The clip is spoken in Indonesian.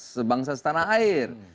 sebangsa setanah air